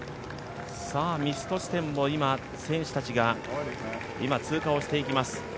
ミスト地点も選手たちが今通過をしていきます。